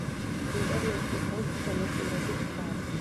ინტერიერში ჩანს შელესილობის კვალი.